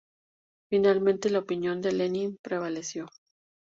Finalmente, la opinión de Lenin prevaleció.